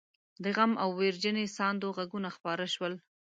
د غم او ويرجنې ساندو غږونه خپاره شول.